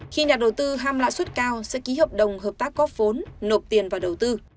khi nhà đầu tư ham lãi suất cao sẽ ký hợp đồng hợp tác có phốn nộp tiền và đầu tư